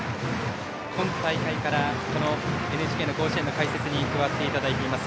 今大会からＮＨＫの甲子園の解説に加わっていただいております